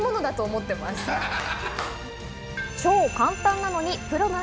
超簡単なのにプロの味。